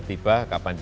seriita ya satu masalah